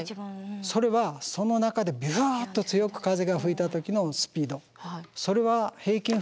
それはその中でビュっと強く風が吹いた時のスピード。